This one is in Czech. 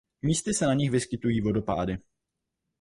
Místy se na nich vyskytují vodopády.